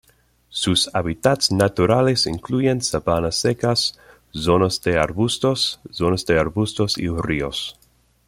Sus hábitats naturales incluyen sabanas secas, zonas de arbustos, zonas de arbustos y ríos.